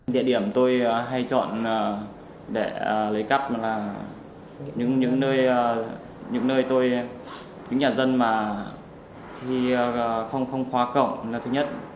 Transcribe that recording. địa điểm tôi hay chọn để lấy cắp là những nơi tôi những nhà dân mà không khóa cổng là thứ nhất